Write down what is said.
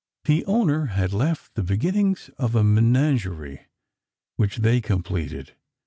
The owner had left the beginnings of a menagerie, which they completed.